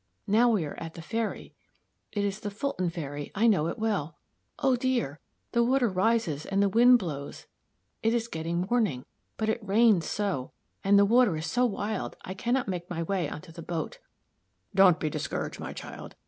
Now we are at the ferry it is the Fulton Ferry I know it well. Oh, dear! the water rises and the wind blows it is getting morning, but it rains so and the water is so wild I can not make my way on to the boat." "Don't be discouraged, my child.